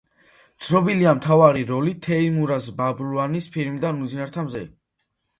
ცნობილია მთავარი როლით თეიმურაზ ბაბლუანის ფილმიდან „უძინართა მზე“.